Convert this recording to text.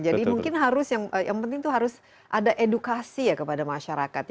jadi mungkin harus yang penting itu harus ada edukasi ya kepada masyarakat